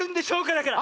だから！